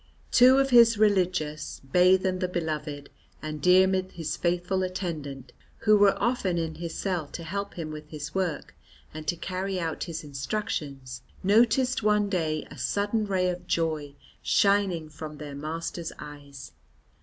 Two of his religious, Baithen the beloved, and Diarmaid his faithful attendant, who were often in his cell to help him with his work and to carry out his instructions, noticed one day a sudden ray of joy shining from their master's eyes.